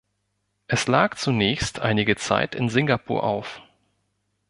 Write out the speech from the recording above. Es lag zunächst einige Zeit in Singapur auf.